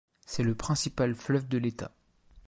C'est le principal fleuve de l'État.